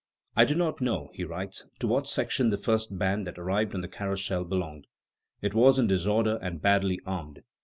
"I do not know," he writes, "to what section the first band that arrived on the Carrousel belonged; it was in disorder and badly armed.